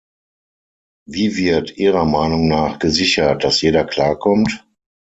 Wie wird Ihrer Meinung nach gesichert, dass jeder klarkommt?